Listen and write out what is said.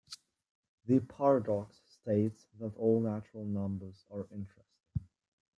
The paradox states that all natural numbers are interesting.